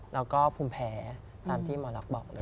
แล้วก็ภูมิแพ้ตามที่หมอรับบอก